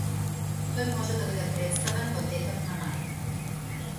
Тој може да биде претставен во текот на мај